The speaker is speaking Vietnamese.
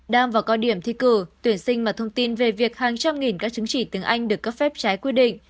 đang vào cao điểm thi cử tuyển sinh mà thông tin về việc hàng trăm nghìn các chứng chỉ tiếng anh được cấp phép trái quy định